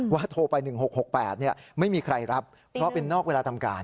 โทรไป๑๖๖๘ไม่มีใครรับเพราะเป็นนอกเวลาทำการ